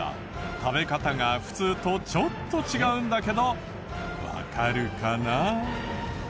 食べ方が普通とちょっと違うんだけどわかるかな？